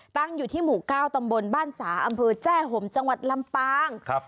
ตั้งอยู่ที่หมู่๙ตำบลบ้านสาอำเภอแจ้ห่มจังหวัดลำปาง